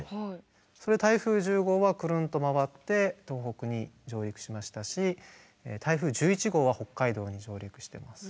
それで台風１０号はくるんと回って東北に上陸しましたし台風１１号は北海道に上陸してます。